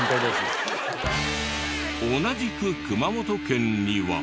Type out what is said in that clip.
同じく熊本県には。